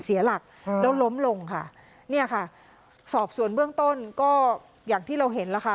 เสียหลักแล้วล้มลงค่ะเนี่ยค่ะสอบส่วนเบื้องต้นก็อย่างที่เราเห็นแล้วค่ะ